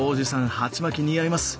鉢巻き似合います。